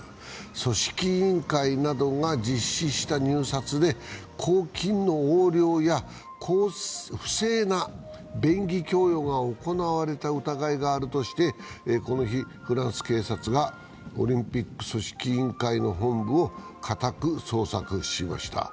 組織委員会などが実施した入札で公金の横領や不正な便宜供与が行われた疑いがあるとして、この日、フランス警察がオリンピック組織委員会の本部を家宅捜索しました。